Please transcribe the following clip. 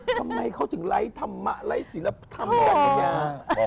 ทำไมเขาถึงไร้ธรรมะไร้ศิลธรรมอาญา